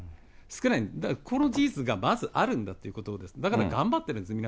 少ないんだ、その事実がまずあるんだということを、だから頑張ってるんですよ